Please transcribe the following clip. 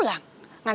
kau mau ngapain